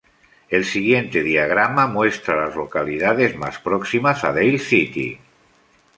El siguiente diagrama muestra a las localidades más próximas a Dale City.